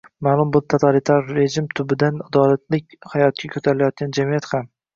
ma’lum bir totalitar rejim tubidan adolatlik hayotga ko‘tarilayotgan jamiyat ham